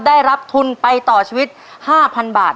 ได้รับทุนไปต่อชีวิต๕๐๐๐บาท